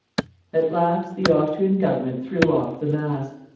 At last the Austrian Government threw off the mask.